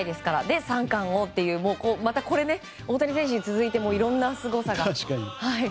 で、三冠王っていうまたこれ、大谷選手に続いていろんなすごさが、いっぱい。